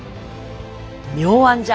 妙案じゃ！